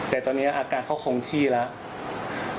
แต่ตอนนี้อาการเขาคงที่แล้ว